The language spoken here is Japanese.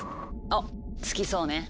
あっ着きそうね。